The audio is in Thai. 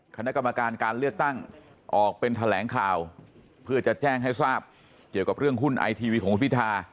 คณะกรรมการการเลือกตั้งออกเป็นแถลงข่าวเพื่อจะแจ้งให้ทราบเกี่ยวกับเรื่องหุ้นไอทีวีของคุณพิธา